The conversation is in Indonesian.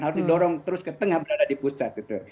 harus didorong terus ke tengah berada di pusat